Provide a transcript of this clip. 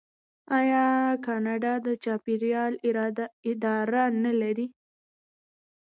آیا کاناډا د چاپیریال اداره نلري؟